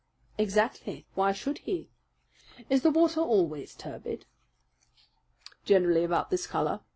"Exactly. Why should he? Is the water always turbid?" "Generally about this colour.